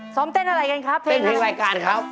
ซ้อมเต้นอะไรกันครับเพลงอะไรเต้นเพลงรายการครับ